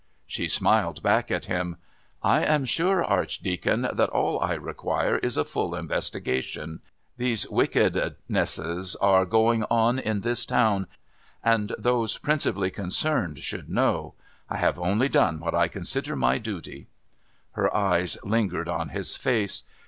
She smiled back at him. "I am sure, Archdeacon, that all I require is a full investigation. These wickednesses are going on in this town, and those principally concerned should know. I have only done what I consider my duty." Her eyes lingered on his face.